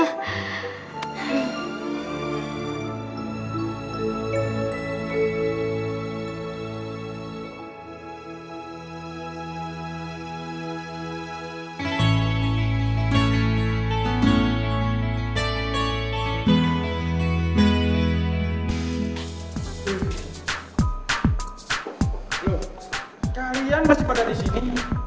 loh kalian masih pada di sini